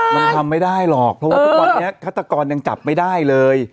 มันทำไม่ได้หรอกเพราะว่าทุกวันนี้ฆาตกรยังจับไม่ได้เลย